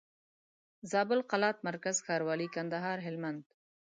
زابل قلات مرکز ښاروالي کندهار هلمند